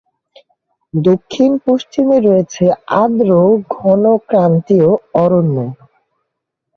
দক্ষিণ-পশ্চিমে রয়েছে আর্দ্র, ঘন ক্রান্তীয় অরণ্য।